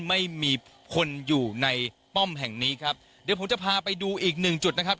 ไม่มีคนอยู่ในป้อมแห่งนี้ครับเดี๋ยวผมจะพาไปดูอีกหนึ่งจุดนะครับ